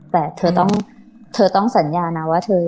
แต่เธอต้องเธอต้องสัญญานะว่าเธอ